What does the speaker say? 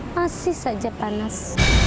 masih saja panas